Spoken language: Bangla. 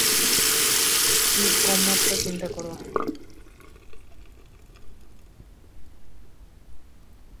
তুমি কমমাত্রার চিন্তা করছো।